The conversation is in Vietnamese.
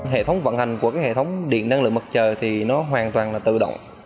hệ thống vận hành của hệ thống điện năng lượng mặt trời thì nó hoàn toàn là tự động